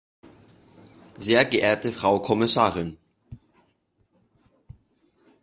Sehr geehrte Frau Kommissarin!